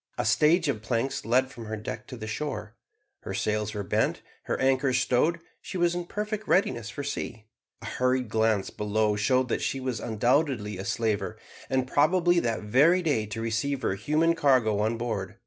A stage of planks led from her deck to the shore. Her sails were bent, her anchor stowed, she was in perfect readiness for sea. A hurried glance below showed that she was undoubtedly a slaver, and about probably that very day to receive her human cargo on board.